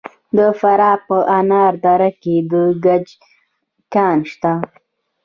د فراه په انار دره کې د ګچ کان شته.